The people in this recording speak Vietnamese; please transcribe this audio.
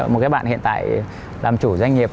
một cái bạn hiện tại làm chủ doanh nghiệp